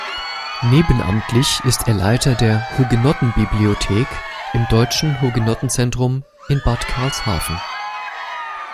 Nebenamtlich ist er Leiter der "Hugenotten-Bibliothek" im Deutschen Hugenotten-Zentrum in Bad Karlshafen.